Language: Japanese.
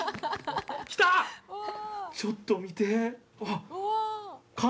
ちょっと見て！